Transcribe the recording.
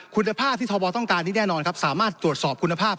คุณภาพที่ทบต้องการนี้แน่นอนครับสามารถตรวจสอบคุณภาพ